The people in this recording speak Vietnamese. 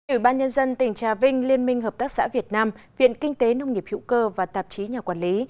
ủy ban nhân dân tỉnh trà vinh liên minh hợp tác xã việt nam viện kinh tế nông nghiệp hữu cơ và tạp chí nhà quản lý